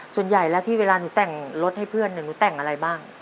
ส่วนใหญ่แล้วที่เวลาหนูแต่งรถให้เพื่อนหนูแต่งอะไรบ้าง